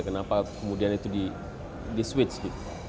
kenapa kemudian itu di switch gitu